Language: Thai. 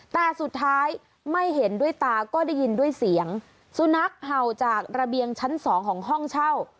แต่สุดท้ายไม่เห็นด้วยตาก็ได้ยินด้วยเสียงสุนัขเห่าจากระเบียงชั้นสองของห้องเช่า